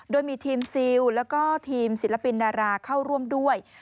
โดยมีทีมซิลแล้วก็ทีมศิลปินดาราเข้าร่วมด้วย